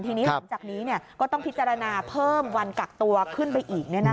ทีนี้หลังจากนี้ก็ต้องพิจารณาเพิ่มวันกักตัวขึ้นไปอีก